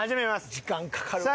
時間かかるわ。